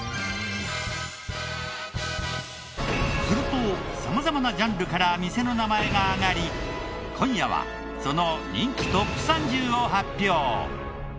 すると様々なジャンルから店の名前が挙がり今夜はその人気トップ３０を発表。